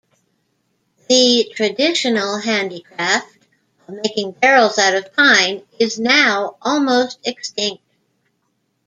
The traditional handicraft of making barrels out of pine is now almost extinct.